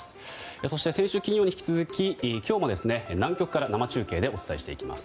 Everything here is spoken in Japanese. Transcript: そして先週金曜に引き続き今日も南極から生中継でお伝えしていきます。